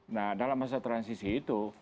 nah dalam masa transisi itu